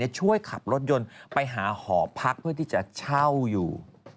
ช่วยขับรถยนต์ไปหาหอพักเพื่อที่จะเช่าอยู่